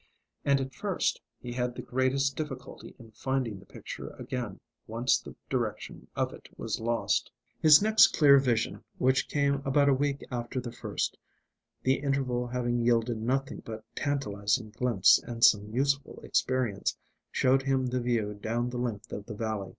And at first he had the greatest difficulty in finding the picture again once the direction of it was lost. His next clear vision, which came about a week after the first, the interval having yielded nothing but tantalising glimpses and some useful experience, showed him the view down the length of the valley.